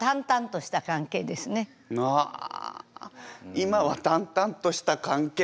「今は淡々とした関係」。